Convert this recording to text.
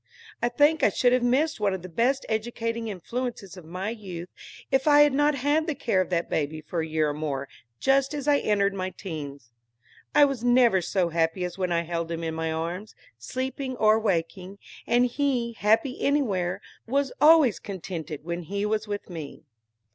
I think I should have missed one of the best educating influences of my youth, if I had not had the care of that baby for a year or more just as I entered my teens. I was never so happy as when I held him in my arms, sleeping or waking; and he, happy anywhere, was always contented when he was with me.